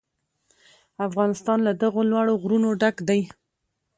افغانستان له دغو لوړو غرونو ډک دی.